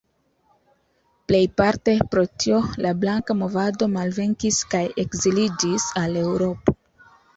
Plejparte pro tio la Blanka movado malvenkis kaj ekziliĝis al Eŭropo.